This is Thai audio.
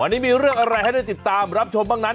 วันนี้มีเรื่องอะไรให้ได้ติดตามรับชมบ้างนั้น